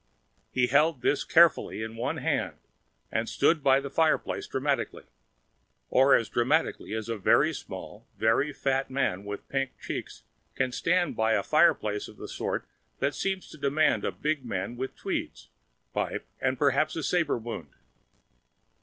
He held this carefully in one hand and stood by the fireplace dramatically or as dramatically as a very small, very fat man with pink cheeks can stand by a fireplace of the sort that seems to demand a big man with tweeds, pipe and, perhaps, a saber wound.